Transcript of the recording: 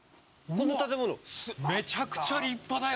この建物？